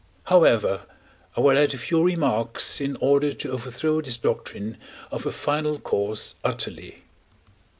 However, I will add a few remarks, in order to overthrow this doctrine of a final cause utterly.